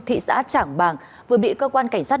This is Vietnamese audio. thị xã trảng bàng vừa bị cơ quan cảnh sát